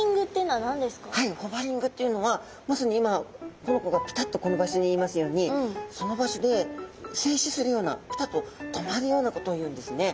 はいホバリングっていうのはまさに今この子がピタっとこのばしょにいますようにそのばしょでせいしするようなピタっと止まるようなことをいうんですね。